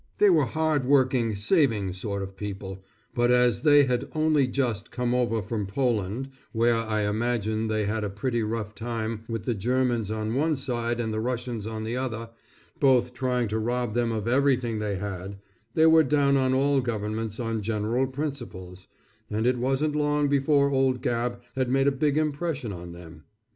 They were hard working, saving sort of people, but as they had only just come over from Poland where I imagine they had a pretty rough time with the Germans on one side and the Russians on the other, both trying to rob them of everything they had, they were down on all governments on general principles, and it wasn't long before old Gabb had made a big impression on them.